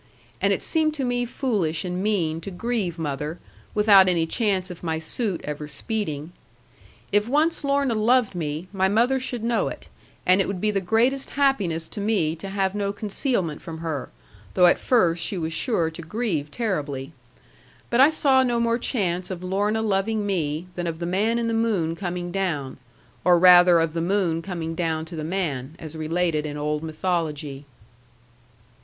And it seemed to me foolish and mean to grieve mother, without any chance of my suit ever speeding. If once Lorna loved me, my mother should know it; and it would be the greatest happiness to me to have no concealment from her, though at first she was sure to grieve terribly. But I saw no more chance of Lorna loving me, than of the man in the moon coming down; or rather of the moon coming down to the man, as related in old mythology.